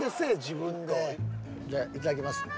じゃあいただきますね。